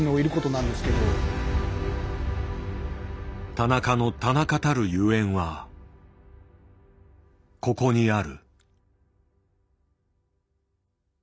田中の田中たるゆえんはここにある。